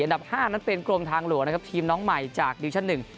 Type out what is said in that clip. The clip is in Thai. ดับห้านั้นเป็นกรมทางหลวงนะครับทีมน้องใหม่จากดิวิชั่นหนึ่ง